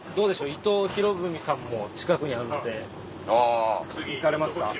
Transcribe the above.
伊藤博文さんも近くにあるので行かれますか？